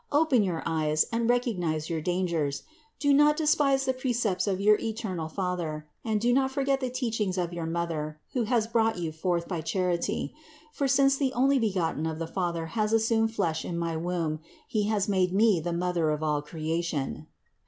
Open your eyes and recognize your dan gers. Do not despise the precepts of your eternal Father, and do not forget the teachings of your Mother, who has brought you forth by charity; for since the Onlybegot ten of the Father has assumed flesh in my womb, He has made me the Mother of all creation.